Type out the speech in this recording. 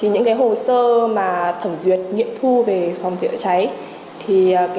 những hồ sơ thẩm duyệt nghiệm thu về phòng chữa cháy